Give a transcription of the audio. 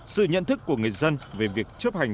sự nhận thức của người dân về việc chấp hành